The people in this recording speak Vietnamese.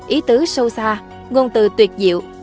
ý tứ sâu xa ngôn từ tuyệt diệu